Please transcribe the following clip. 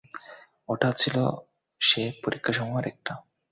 এটাও ছিল সে পরীক্ষাসমূহের একটা।